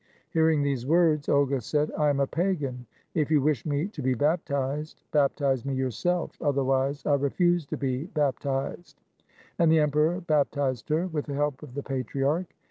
Hearing these words, Olga said, "I am a pagan. If you wish me to be baptized, baptize me yourself, otherwise I refuse to be baptized." And the emperor baptized her, with the help of the patriarch.